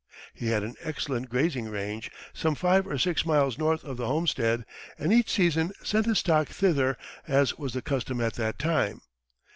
He had an excellent grazing range some five or six miles north of the homestead, and each season sent his stock thither, as was the custom at that time.